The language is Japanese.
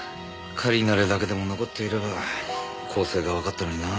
仮ナレだけでも残っていれば構成がわかったのにな。